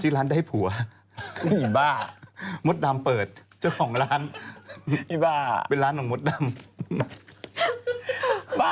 ชิกร้านได้ผัวมดดำเปิดเจ้าของร้านเป็นร้านของมดดำ